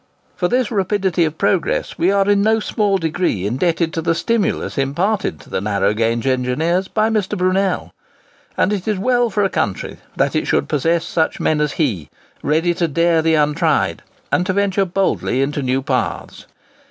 For this rapidity of progress we are in no small degree indebted to the stimulus imparted to the narrow gauge engineers by Mr. Brunel. And it is well for a country that it should possess men such as he, ready to dare the untried, and to venture boldly into new paths.